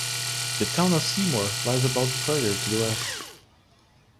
The town of Seymour lies about further to the west.